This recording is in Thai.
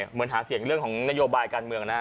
เหมือนหาเสียงเรื่องของนโยบายการเมืองนะ